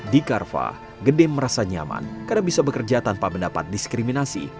di carva gede merasa nyaman karena bisa bekerja tanpa mendapat diskriminasi